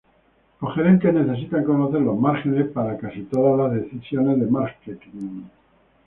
Los gerentes necesitan conocer los márgenes para casi todas las decisiones de marketing.